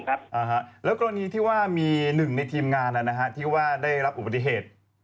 กรณีที่ว่ามี๑ในทีมงานที่ได้รับอุบัติเหตุ